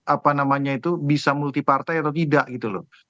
apa namanya itu bisa multi partai atau tidak gitu loh